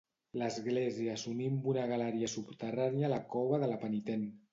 L'església s'uní amb una galeria subterrània a la cova de la penitent.